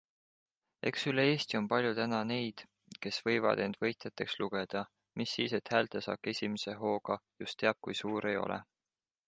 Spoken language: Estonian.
Eks üle Eesti on palju täna neid kes võivad end võitjateks lugeda, mis siis et häältesaak esimese hooga just teab kui suur ei ole.